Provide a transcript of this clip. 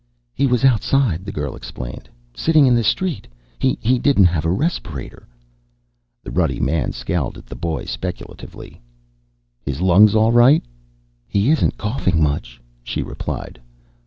"He was outside," the girl explained, "sitting in the street. He didn't have a respirator." The ruddy man scowled at the boy speculatively. "His lungs all right?" "He isn't coughing much," she replied.